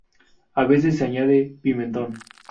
A veces se añade pimentón.